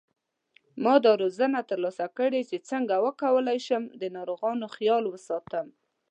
ما دا روزنه تر لاسه کړې چې څنګه وکولای شم د ناروغانو خیال وساتم